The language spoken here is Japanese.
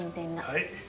はい。